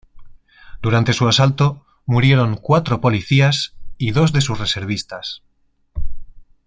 Durante su asalto murieron cuatro policías y dos de sus reservistas.